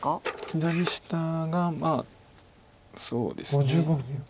左下がそうですね。